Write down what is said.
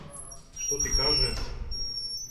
Што ти каже?